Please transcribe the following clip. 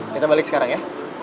kita balik sekarang ya